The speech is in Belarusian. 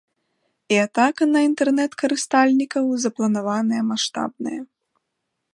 І атака на інтэрнэт-карыстальнікаў запланаваная маштабная.